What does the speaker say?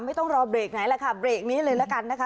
ไม่ต้องรอเบรกไหนแหละค่ะเบรกนี้เลยละกันนะคะ